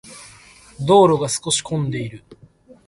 道路が少し混んでいる。